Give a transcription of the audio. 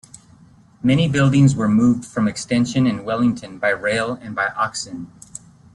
Many buildings were moved from Extension and Wellington by rail and by oxen.